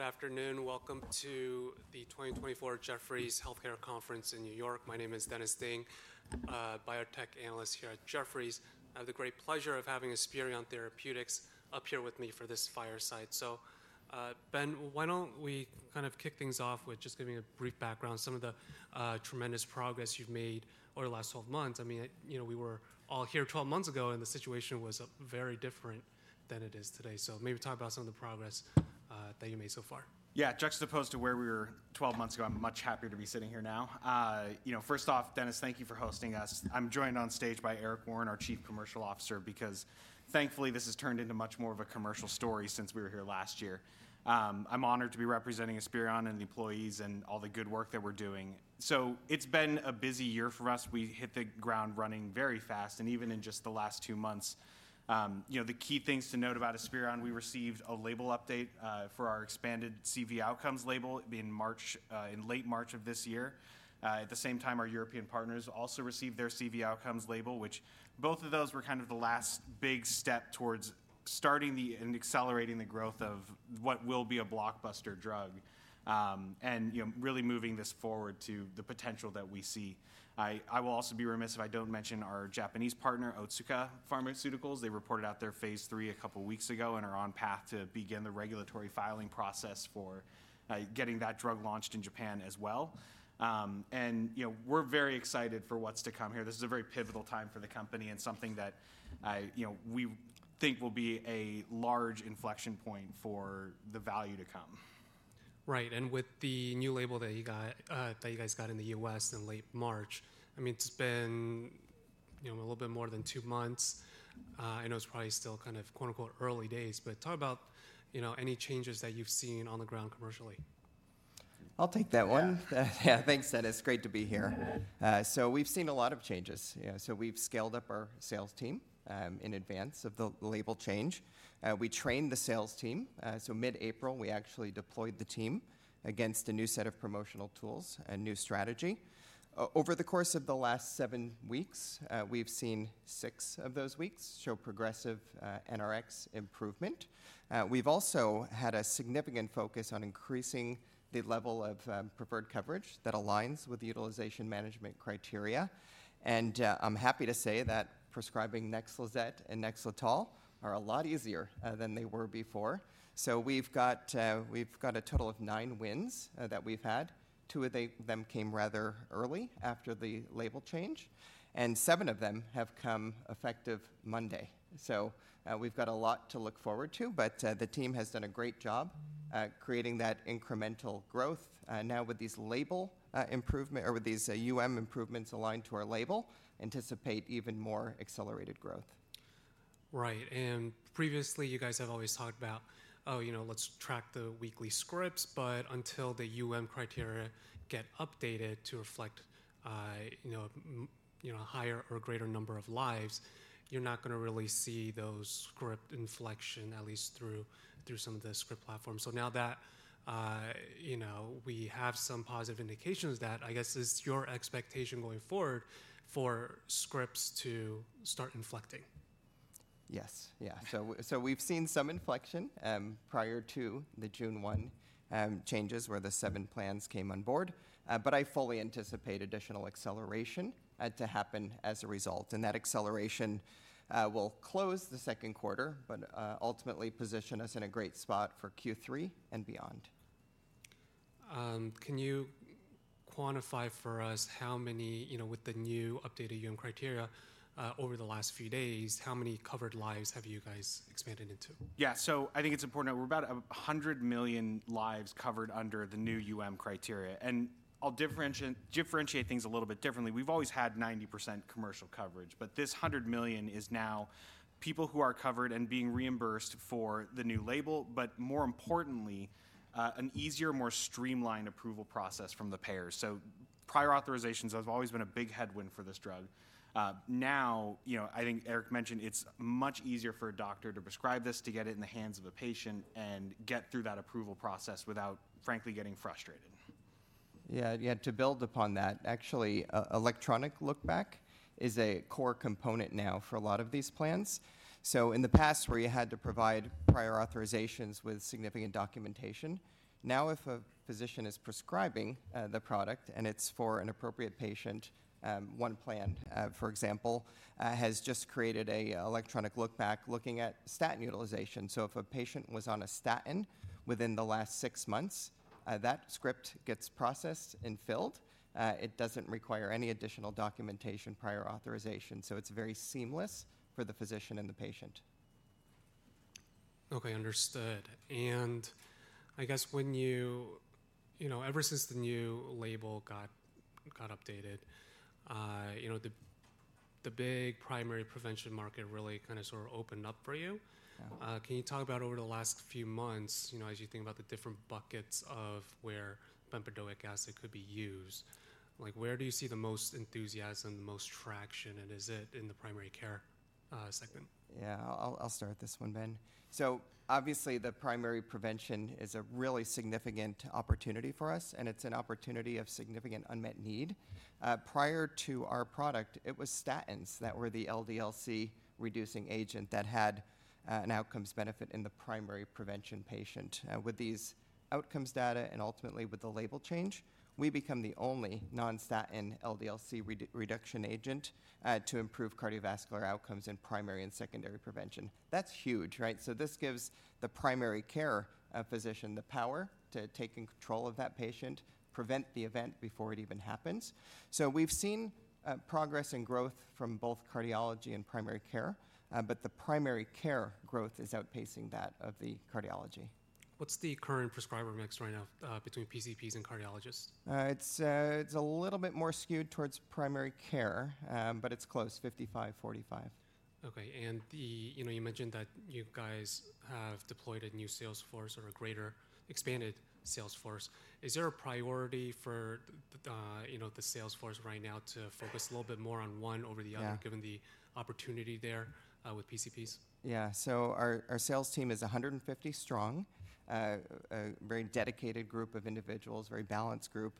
Good afternoon. Welcome to the 2024 Jefferies Healthcare Conference in New York. My name is Dennis Ding, biotech analyst here at Jefferies. I have the great pleasure of having Esperion Therapeutics up here with me for this fireside. So, Ben, why don't we kind of kick things off with just giving a brief background, some of the tremendous progress you've made over the last 12 months? I mean, you know, we were all here 12 months ago, and the situation was very different than it is today. So maybe talk about some of the progress that you made so far. Yeah, juxtaposed to where we were 12 months ago, I'm much happier to be sitting here now. You know, first off, Dennis, thank you for hosting us. I'm joined on stage by Eric Warren, our Chief Commercial Officer, because thankfully, this has turned into much more of a commercial story since we were here last year. I'm honored to be representing Esperion and the employees and all the good work that we're doing. So it's been a busy year for us. We hit the ground running very fast, and even in just the last 2 months, you know, the key things to note about Esperion: we received a label update for our expanded CV outcomes label in March, in late March of this year. At the same time, our European partners also received their CV outcomes label, which both of those were kind of the last big step towards starting and accelerating the growth of what will be a blockbuster drug. And, you know, really moving this forward to the potential that we see. I will also be remiss if I don't mention our Japanese partner, Otsuka Pharmaceutical. They reported out their phase III a couple weeks ago and are on path to begin the regulatory filing process for, uh, getting that drug launched in Japan as well. And, you know, we're very excited for what's to come here. This is a very pivotal time for the company and something that I... you know, we think will be a large inflection point for the value to come. Right. And with the new label that you got, that you guys got in the U.S. in late March, I mean, it's been, you know, a little bit more than two months. I know it's probably still kind of, quote-unquote, "early days," but talk about, you know, any changes that you've seen on the ground commercially. I'll take that one. Yeah. Yeah, thanks, Dennis. Great to be here. You bet. So we've seen a lot of changes. So we've scaled up our sales team in advance of the label change. We trained the sales team, so mid-April, we actually deployed the team against a new set of promotional tools and new strategy. Over the course of the last 7 weeks, we've seen 6 of those weeks show progressive NRX improvement. We've also had a significant focus on increasing the level of preferred coverage that aligns with the utilization management criteria. I'm happy to say that prescribing NEXLIZET and NEXLETOL are a lot easier than they were before. So we've got, we've got a total of 9 wins that we've had. 2 of them came rather early after the label change, and 7 of them have come effective Monday. So, we've got a lot to look forward to, but the team has done a great job at creating that incremental growth. Now, with these label improvement or with these UM improvements aligned to our label, anticipate even more accelerated growth. Right. And previously, you guys have always talked about, "Oh, you know, let's track the weekly scripts," but until the UM criteria get updated to reflect, you know, a higher or greater number of lives, you're not gonna really see those script inflection, at least through, through some of the script platforms. So now that, you know, we have some positive indications that, I guess, is your expectation going forward for scripts to start inflecting? Yes. Yeah. Okay. So, so we've seen some inflection, prior to the June 1 changes, where the seven plans came on board. But I fully anticipate additional acceleration to happen as a result, and that acceleration will close the second quarter, but ultimately position us in a great spot for Q3 and beyond. Can you quantify for us how many... you know, with the new updated UM criteria, over the last few days, how many covered lives have you guys expanded into? Yeah. So I think it's important. We're about 100 million lives covered under the new UM criteria, and I'll differentiate things a little bit differently. We've always had 90% commercial coverage, but this 100 million is now people who are covered and being reimbursed for the new label, but more importantly, an easier, more streamlined approval process from the payers. So prior authorizations have always been a big headwind for this drug. Now, you know, I think Eric mentioned it's much easier for a doctor to prescribe this, to get it in the hands of a patient and get through that approval process without, frankly, getting frustrated. Yeah, yeah, to build upon that, actually, electronic look-back is a core component now for a lot of these plans. So in the past, where you had to provide prior authorizations with significant documentation, now, if a physician is prescribing, the product and it's for an appropriate patient, one plan, for example, has just created a electronic look-back looking at statin utilization. So if a patient was on a statin within the last six months, that script gets processed and filled. It doesn't require any additional documentation, prior authorization, so it's very seamless for the physician and the patient. Okay, understood. And I guess when you—you know, ever since the new label got updated, you know, the big primary prevention market really kind of, sort of opened up for you. Yeah. Can you talk about over the last few months, you know, as you think about the different buckets of where bempedoic acid could be used, like where do you see the most enthusiasm, the most traction, and is it in the primary care segment? Yeah, I'll, I'll start this one, Ben. So obviously, the primary prevention is a really significant opportunity for us, and it's an opportunity of significant unmet need. Prior to our product, it was statins that were the LDL-C-reducing agent that had an outcomes benefit in the primary prevention patient. With these outcomes data and ultimately with the label change, we become the only non-statin LDL-C reduction agent to improve cardiovascular outcomes in primary and secondary prevention. That's huge, right? So this gives the primary care physician the power to taking control of that patient, prevent the event before it even happens. So we've seen progress and growth from both cardiology and primary care, but the primary care growth is outpacing that of the cardiology. What's the current prescriber mix right now, between PCPs and cardiologists? It's a little bit more skewed towards primary care, but it's close, 55-45. Okay, and you know, you mentioned that you guys have deployed a new sales force or a greater expanded sales force. Is there a priority for the, you know, the sales force right now to focus a little bit more on one over the other? Yeah given the opportunity there, with PCPs? Yeah. So our sales team is 150 strong. A very dedicated group of individuals, very balanced group.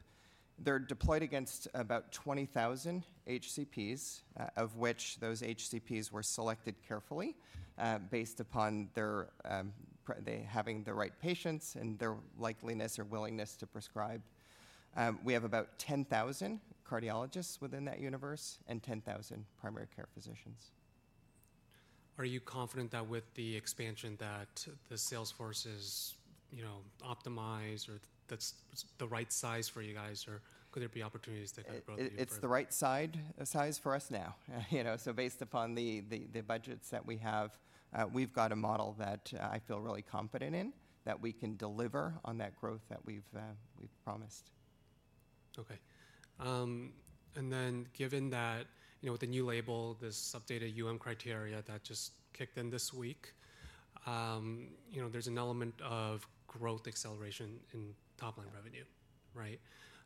They're deployed against about 20,000 HCPs, of which those HCPs were selected carefully, based upon their having the right patients and their likeliness or willingness to prescribe. We have about 10,000 cardiologists within that universe and 10,000 primary care physicians. Are you confident that with the expansion, that the sales force is, you know, optimized or that's the right size for you guys, or could there be opportunities to grow even further? It's the right size for us now. You know, so based upon the budgets that we have, we've got a model that I feel really confident in, that we can deliver on that growth that we've promised. Okay. And then given that, you know, with the new label, this updated UM criteria that just kicked in this week, you know, there's an element of growth acceleration in top-line revenue, right?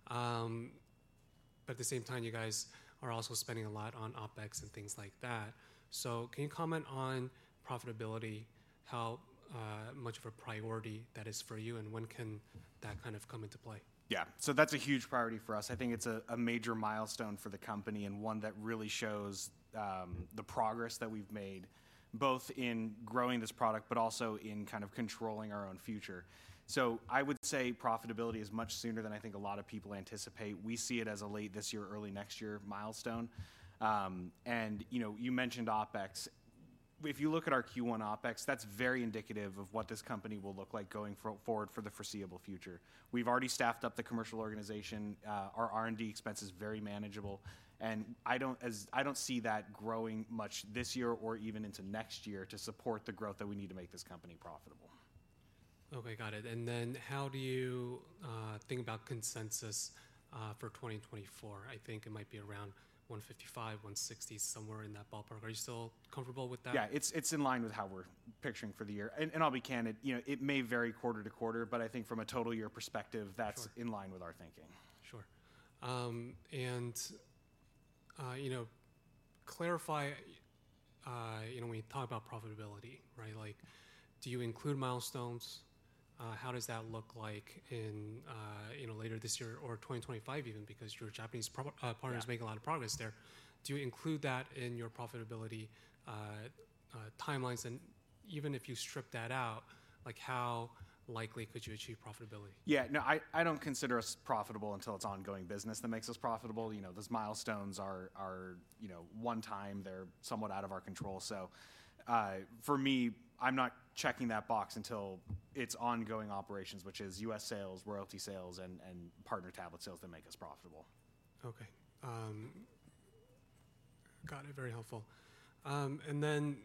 But at the same time, you guys are also spending a lot on OpEx and things like that. So can you comment on profitability, how much of a priority that is for you, and when can that kind of come into play? Yeah. So that's a huge priority for us. I think it's a major milestone for the company and one that really shows the progress that we've made, both in growing this product but also in kind of controlling our own future. So I would say profitability is much sooner than I think a lot of people anticipate. We see it as a late this year, early next year milestone. And, you know, you mentioned OpEx. If you look at our Q1 OpEx, that's very indicative of what this company will look like going forward for the foreseeable future. We've already staffed up the commercial organization. Our R&D expense is very manageable, and I don't see that growing much this year or even into next year to support the growth that we need to make this company profitable. Okay, got it. How do you think about consensus for 2024? I think it might be around 155-160, somewhere in that ballpark. Are you still comfortable with that? Yeah, it's, it's in line with how we're picturing for the year. And, and I'll be candid, you know, it may vary quarter to quarter, but I think from a total year perspective- Sure... that's in line with our thinking. Sure. And you know, clarify, you know, when you talk about profitability, right? Like, do you include milestones? How does that look like in, you know, later this year or 2025 even, because your Japanese pro- Yeah... partners are making a lot of progress there. Do you include that in your profitability timelines? And even if you strip that out, like, how likely could you achieve profitability? Yeah. No, I don't consider us profitable until it's ongoing business that makes us profitable. You know, those milestones are, you know, one time, they're somewhat out of our control. So, for me, I'm not checking that box until it's ongoing operations, which is US sales, royalty sales, and partner tablet sales that make us profitable. Okay. Got it. Very helpful. And then,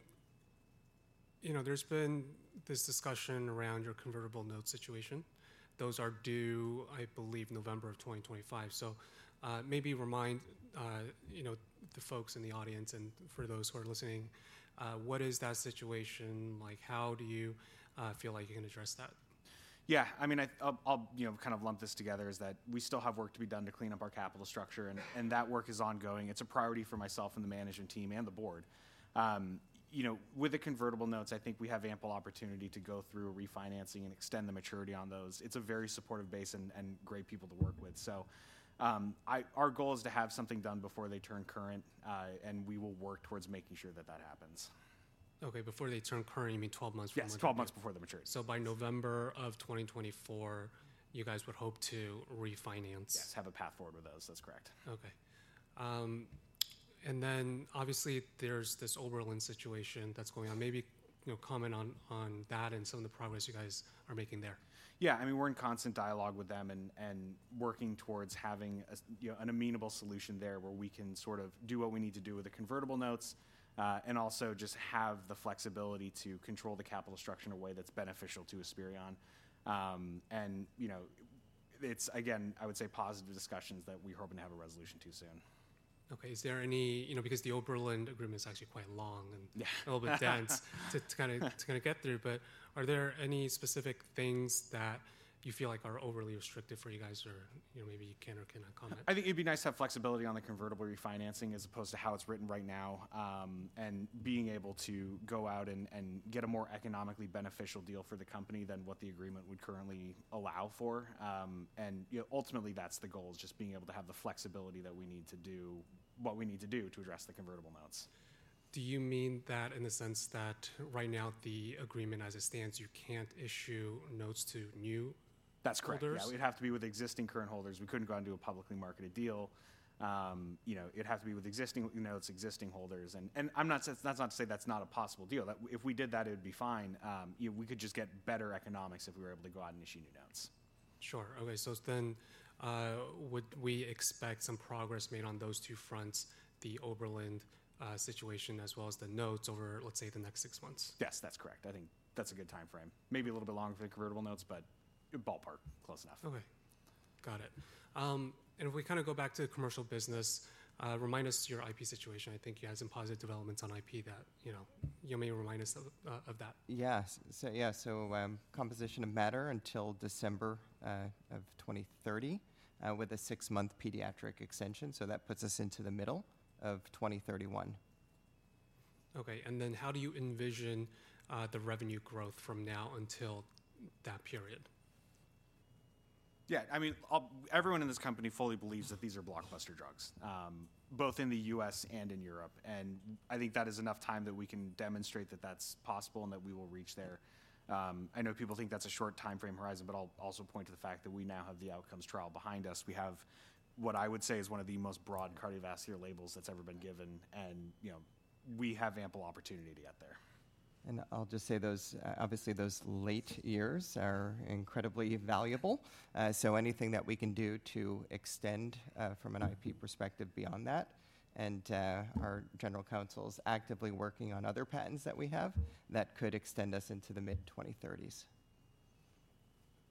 you know, there's been this discussion around your convertible note situation. Those are due, I believe, November of 2025. So, maybe remind, you know, the folks in the audience and for those who are listening, what is that situation like? How do you feel like you're gonna address that? Yeah. I mean, I'll, you know, kind of lump this together, is that we still have work to be done to clean up our capital structure, and that work is ongoing. It's a priority for myself and the management team and the board. You know, with the convertible notes, I think we have ample opportunity to go through a refinancing and extend the maturity on those. It's a very supportive base and great people to work with. So, our goal is to have something done before they turn current, and we will work towards making sure that that happens. Okay, before they turn current, you mean 12 months from now? Yes, 12 months before they mature. By November of 2024, you guys would hope to refinance? Yes, have a path forward with those. That's correct. Okay. And then obviously, there's this Oberland situation that's going on. Maybe, you know, comment on, on that and some of the progress you guys are making there. Yeah. I mean, we're in constant dialogue with them and, and working towards having you know, an amenable solution there, where we can sort of do what we need to do with the convertible notes, and also just have the flexibility to control the capital structure in a way that's beneficial to Esperion. And, you know, it's, again, I would say positive discussions that we hoping to have a resolution to soon. Okay. Is there any... You know, because the Oberland agreement is actually quite long and- Yeah. a little bit dense to kinda get through, but are there any specific things that you feel like are overly restrictive for you guys, or, you know, maybe you can or cannot comment? I think it'd be nice to have flexibility on the convertible refinancing as opposed to how it's written right now, and being able to go out and get a more economically beneficial deal for the company than what the agreement would currently allow for. And, you know, ultimately, that's the goal, is just being able to have the flexibility that we need to do what we need to do to address the convertible notes.... Do you mean that in the sense that right now, the agreement as it stands, you can't issue notes to new- That's correct. -holders? Yeah, it would have to be with existing current holders. We couldn't go out and do a publicly marketed deal. You know, it'd have to be with existing, you know, its existing holders. And I'm not saying that's not a possible deal. If we did that, it would be fine. You know, we could just get better economics if we were able to go out and issue new notes. Sure. Okay, so then, would we expect some progress made on those two fronts, the Oberland situation as well as the notes over, let's say, the next six months? Yes, that's correct. I think that's a good time frame. Maybe a little bit long for the convertible notes, but ballpark, close enough. Okay. Got it. And if we kinda go back to commercial business, remind us your IP situation. I think you had some positive developments on IP that, you know, you may remind us of, of that. Yes. So yeah, so, composition of matter until December of 2030 with a six-month pediatric extension, so that puts us into the middle of 2031. Okay, and then how do you envision the revenue growth from now until that period? Yeah, I mean, Everyone in this company fully believes that these are blockbuster drugs, both in the U.S. and in Europe, and I think that is enough time that we can demonstrate that that's possible and that we will reach there. I know people think that's a short time frame horizon, but I'll also point to the fact that we now have the outcomes trial behind us. We have what I would say is one of the most broad cardiovascular labels that's ever been given, and, you know, we have ample opportunity to get there. I'll just say those, obviously, those late years are incredibly valuable. So anything that we can do to extend from an IP perspective beyond that, and our general counsel's actively working on other patents that we have that could extend us into the mid-2030s.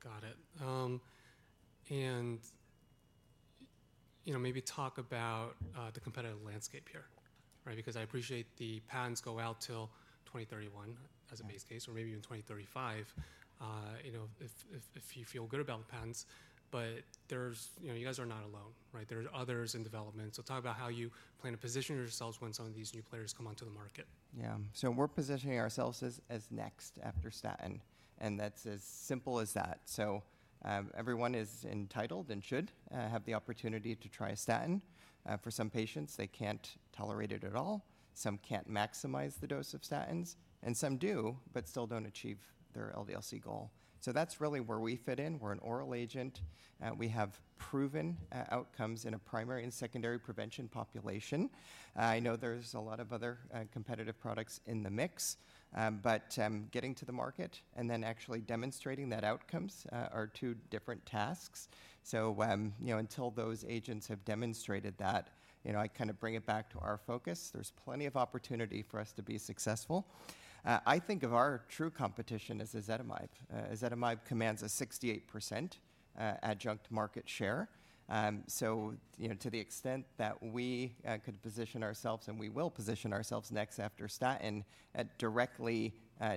Got it. You know, maybe talk about the competitive landscape here, right? Because I appreciate the patents go out till 2031 as a base case- Yeah. Or maybe even 2035, you know, if you feel good about the patents. But there's, you know, you guys are not alone, right? There are others in development. So talk about how you plan to position yourselves when some of these new players come onto the market. Yeah. So we're positioning ourselves as next after statin, and that's as simple as that. So, everyone is entitled and should have the opportunity to try a statin. For some patients, they can't tolerate it at all, some can't maximize the dose of statins, and some do, but still don't achieve their LDL-C goal. So that's really where we fit in. We're an oral agent, we have proven outcomes in a primary and secondary prevention population. I know there's a lot of other competitive products in the mix, but getting to the market and then actually demonstrating that outcomes are two different tasks. So, you know, until those agents have demonstrated that, you know, I kind of bring it back to our focus, there's plenty of opportunity for us to be successful. I think of our true competition as ezetimibe. Ezetimibe commands a 68% adjunct market share. So, you know, to the extent that we could position ourselves, and we will position ourselves next after statin directly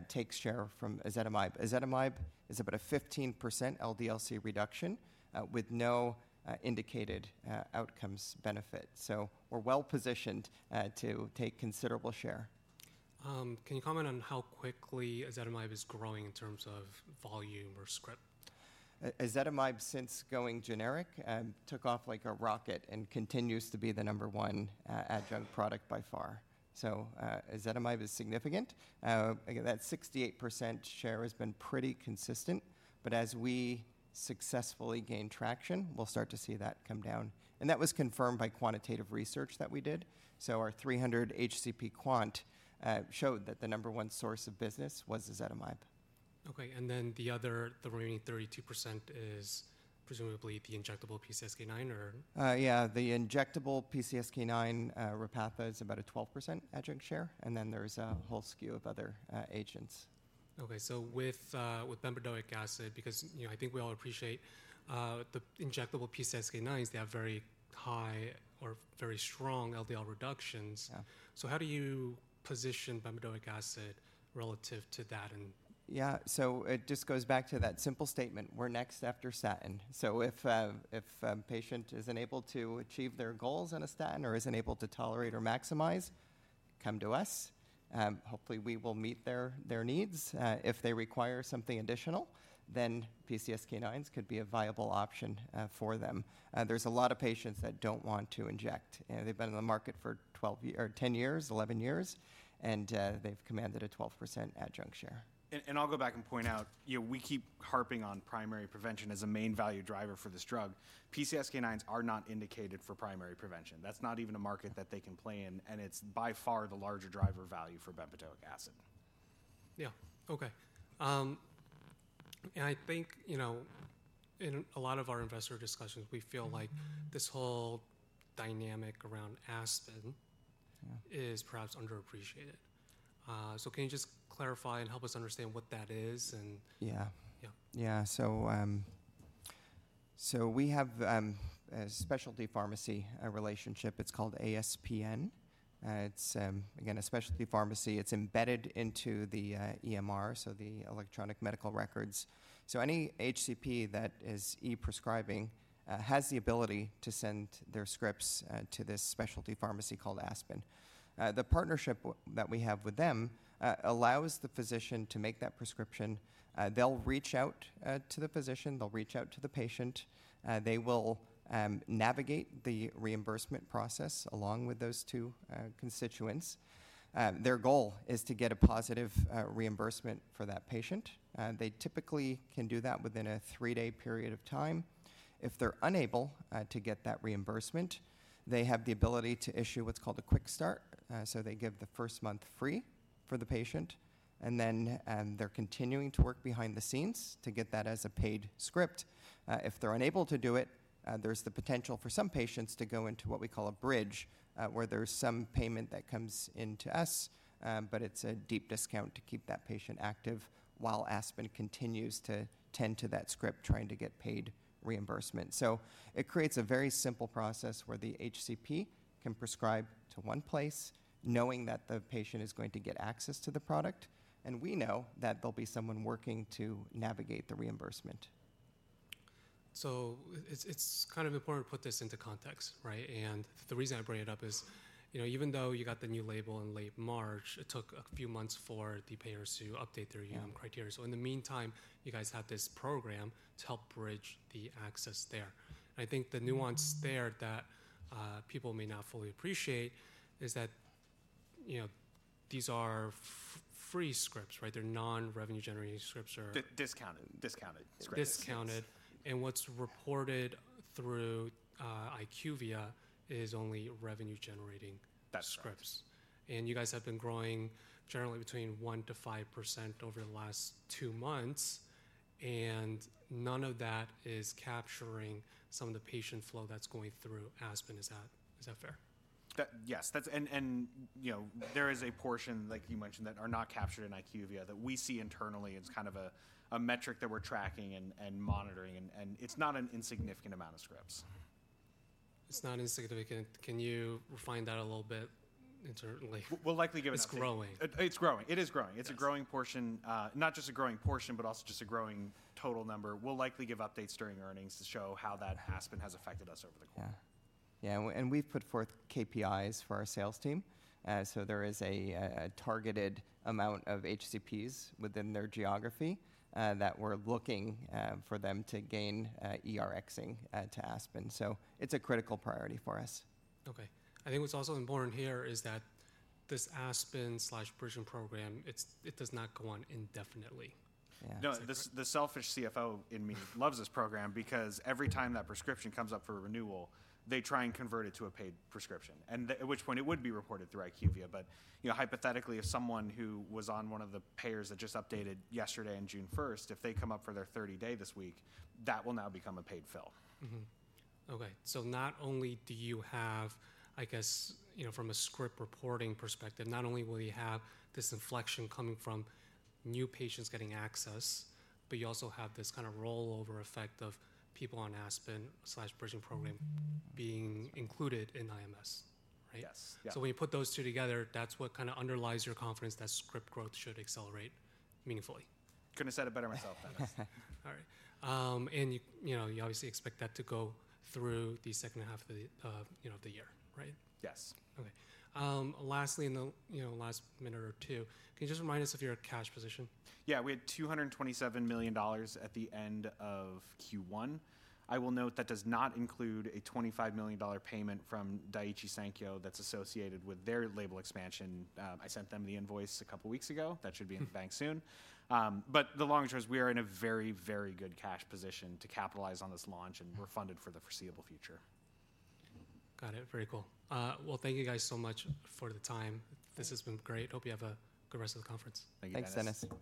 takes share from ezetimibe. Ezetimibe is about a 15% LDL-C reduction with no indicated outcomes benefit. So we're well-positioned to take considerable share. Can you comment on how quickly ezetimibe is growing in terms of volume or script? Ezetimibe, since going generic, took off like a rocket and continues to be the number one adjunct product by far. So, ezetimibe is significant. Again, that 68% share has been pretty consistent, but as we successfully gain traction, we'll start to see that come down, and that was confirmed by quantitative research that we did. So our 300 HCP quant showed that the number one source of business was ezetimibe. Okay, and then the other, the remaining 32% is presumably the injectable PCSK9, or? Yeah, the injectable PCSK9, Repatha, is about a 12% adjunct share, and then there's a whole slew of other agents. Okay. So with bempedoic acid, because, you know, I think we all appreciate the injectable PCSK9s, they have very high or very strong LDL reductions. Yeah. How do you position bempedoic acid relative to that and- Yeah. So it just goes back to that simple statement, we're next after statin. So if patient is unable to achieve their goals on a statin or is unable to tolerate or maximize, come to us, hopefully, we will meet their, their needs. If they require something additional, then PCSK9s could be a viable option, for them. There's a lot of patients that don't want to inject. And they've been on the market for 12 year- or 10 years, 11 years, and, they've commanded a 12% adjunct share. I'll go back and point out, you know, we keep harping on primary prevention as a main value driver for this drug. PCSK9s are not indicated for primary prevention. That's not even a market that they can play in, and it's by far the larger driver value for bempedoic acid. Yeah. Okay. And I think, you know, in a lot of our investor discussions, we feel like this whole dynamic around ASPN- Yeah... is perhaps underappreciated. So can you just clarify and help us understand what that is and- Yeah. Yeah. Yeah. So, so we have a specialty pharmacy relationship. It's called ASPN. It's again a specialty pharmacy. It's embedded into the EMR, so the electronic medical records. So any HCP that is e-prescribing has the ability to send their scripts to this specialty pharmacy called ASPN. The partnership that we have with them allows the physician to make that prescription. They'll reach out to the physician, they'll reach out to the patient. They will navigate the reimbursement process along with those two constituents. Their goal is to get a positive reimbursement for that patient. They typically can do that within a 3-day period of time. If they're unable to get that reimbursement, they have the ability to issue what's called a quick start. So they give the first month free for the patient, and then they're continuing to work behind the scenes to get that as a paid script. If they're unable to do it, there's the potential for some patients to go into what we call a bridge, where there's some payment that comes in to us, but it's a deep discount to keep that patient active while ASPN continues to tend to that script, trying to get paid reimbursement. So it creates a very simple process where the HCP can prescribe to one place, knowing that the patient is going to get access to the product, and we know that there'll be someone working to navigate the reimbursement. So it's kind of important to put this into context, right? And the reason I bring it up is, you know, even though you got the new label in late March, it took a few months for the payers to update their UM criteria. Yeah. In the meantime, you guys have this program to help bridge the access there. I think the nuance- Mm-hmm... there that, people may not fully appreciate is that, you know, these are free scripts, right? They're non-revenue generating scripts or- Discounted. Discounted scripts. Discounted. And what's reported through IQVIA is only revenue-generating- That's correct... scripts. And you guys have been growing generally between 1%-5% over the last two months, and none of that is capturing some of the patient flow that's going through ASPN. Is that, is that fair? Yes, that's. And, you know, there is a portion, like you mentioned, that are not captured in IQVIA, that we see internally as kind of a metric that we're tracking and monitoring, and it's not an insignificant amount of scripts. It's not insignificant. Can you refine that a little bit internally? We'll likely give- It's growing. It's growing. It is growing. Yes. It's a growing portion. Not just a growing portion, but also just a growing total number. We'll likely give updates during earnings to show how that ASPN has affected us over the quarter. Yeah. Yeah, and, and we've put forth KPIs for our sales team. So there is a targeted amount of HCPs within their geography that we're looking for them to gain ERX-ing to ASPN. So it's a critical priority for us. Okay. I think what's also important here is that this ASPN/bridging program, it does not go on indefinitely. Yeah. No, the selfish CFO in me loves this program because every time that prescription comes up for renewal, they try and convert it to a paid prescription, and at which point it would be reported through IQVIA. But, you know, hypothetically, if someone who was on one of the payers that just updated yesterday on June 1st, if they come up for their 30 day this week, that will now become a paid fill. Mm-hmm. Okay, so not only do you have... I guess, you know, from a script reporting perspective, not only will you have this inflection coming from new patients getting access, but you also have this kind of rollover effect of people on ASPN/bridging program being included in IMS, right? Yes. Yeah. When you put those two together, that's what kind of underlies your confidence that script growth should accelerate meaningfully. Couldn't have said it better myself, Dennis. All right. And you, you know, you obviously expect that to go through the second half of the, you know, the year, right? Yes. Okay. Lastly, in the, you know, last minute or two, can you just remind us of your cash position? Yeah. We had $227 million at the end of Q1. I will note that does not include a $25 million payment from Daiichi Sankyo that's associated with their label expansion. I sent them the invoice a couple weeks ago. That should be in the bank soon. But the long and short is we are in a very, very good cash position to capitalize on this launch, and we're funded for the foreseeable future. Got it. Very cool. Well, thank you guys so much for the time. This has been great. Hope you have a good rest of the conference. Thank you, Dennis. Thanks, Dennis.